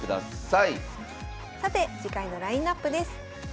さて次回のラインナップです。